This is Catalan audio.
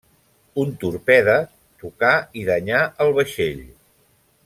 Un torpede tocà i danyà el vaixell.